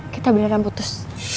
kita beneran putus